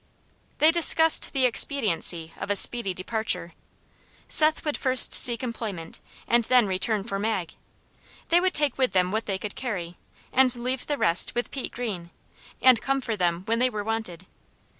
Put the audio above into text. They discussed the expediency of a speedy departure. Seth would first seek employment, and then return for Mag. They would take with them what they could carry, and leave the rest with Pete Greene, and come for them when they were wanted.